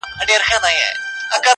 • هره ورځ به د رمی په ځان بلا وي -